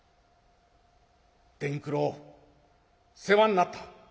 「伝九郎世話になった。